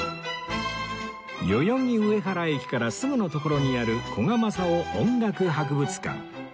代々木上原駅からすぐの所にある古賀政男音楽博物館